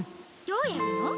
どうやるの？